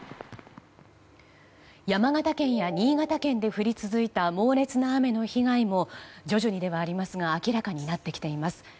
山形県や新潟県で降り続いた猛烈な雨の被害も徐々にではありますが明らかになってきています。